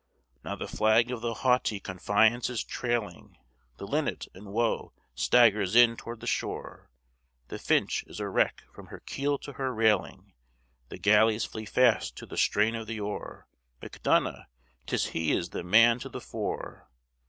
_ Now, the flag of the haughty Confiance is trailing; The Linnet in woe staggers in toward the shore; The Finch is a wreck from her keel to her railing; The galleys flee fast to the strain of the oar; Macdonough! 'tis he is the man to the fore!